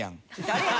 誰や？